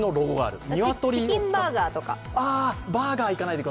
チキンバーガーとか？